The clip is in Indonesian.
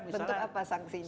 bentuk apa sangsinya